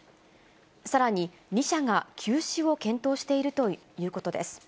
さらに、２社が休止を検討しているということです。